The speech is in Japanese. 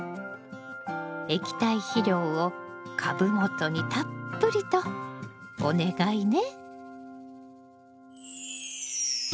液体肥料を株元にたっぷりとお願いね。